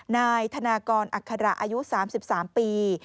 นายธนากรอัคระอายุ๓๓ปี